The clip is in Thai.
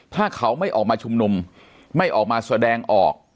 ถ้าเขาไม่ออกมาชุมนุมไม่ออกมาแสดงออก